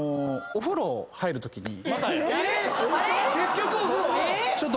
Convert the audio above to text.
お風呂入るときに。